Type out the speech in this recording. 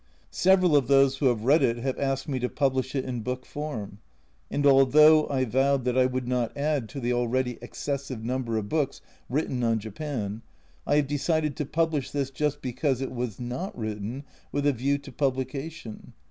Several of those who have read it have asked me to publish it in book form, and although I vowed that I would not add to the already excessive number of books written on Japan, I have decided to publish this just because it was not written with a view to publication.